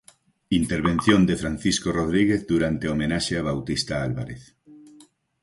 Intervención de Francisco Rodríguez durante a homenaxe a Bautista Álvarez.